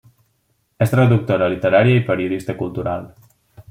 És traductora literària i periodista cultural.